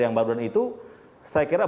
yang baru dan itu saya kira